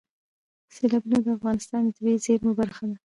سیلابونه د افغانستان د طبیعي زیرمو برخه ده.